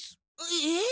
えっ？